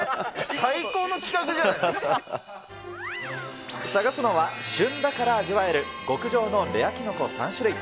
最高の企画じゃな探すのは、旬だから味わえる極上のレアキノコ３種類。